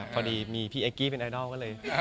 พอดีมีพี่เอ็กกี้เป็นไอดอลก็เลย